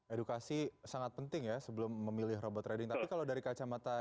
edukasi sangat penting ya sebelum memilih robot trading tapi kalau dari kacamata